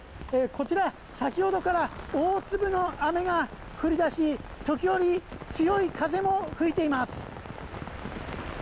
こちら、先ほどから大粒の雨が降り出し時折、強い風も吹いています。